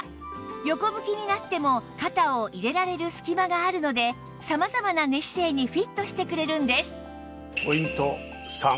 横向きになっても肩を入れられる隙間があるので様々な寝姿勢にフィットしてくれるんです